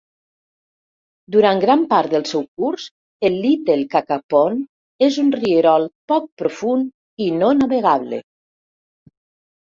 Durant gran part del seu curs, el Little Cacapon és un rierol poc profund i no navegable.